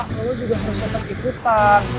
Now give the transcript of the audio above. lu juga harus tetep ikutan